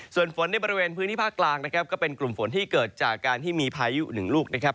ส่วนฝนในบริเวณพื้นที่ภาคกลางนะครับก็เป็นกลุ่มฝนที่เกิดจากการที่มีพายุหนึ่งลูกนะครับ